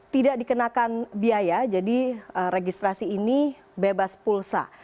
tidak dikenakan biaya jadi registrasi ini bebas pulsa